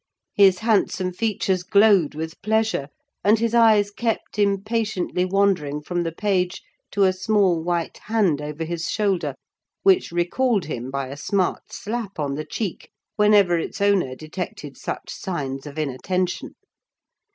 His handsome features glowed with pleasure, and his eyes kept impatiently wandering from the page to a small white hand over his shoulder, which recalled him by a smart slap on the cheek, whenever its owner detected such signs of inattention.